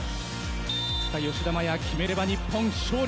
吉田麻也、決めれば日本勝利。